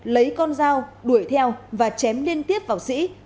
lấy con dao đuổi theo và chém liên tiếp vào sĩ